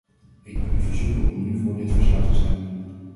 Ik wil u verzoeken om nu voor dit verslag te stemmen.